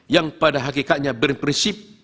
yang pada hakikatnya berprinsip